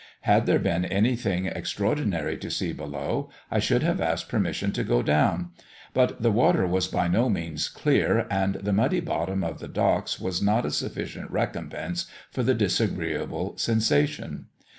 Had there been any thing extraordinary to see below, I should have asked permission to go down; but the water was by no means clear, and the muddy bottom of the docks was not a sufficient recompence for the disagreeable sensation.